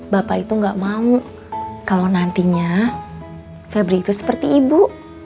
bapak itu gak mau kalau nantinya febri itu seperti ibu